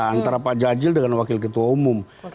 antara pak jajil dengan wakil ketua umum